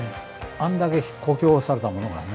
あんだけ酷評されたものがね。